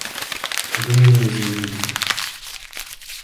Вы меня извините.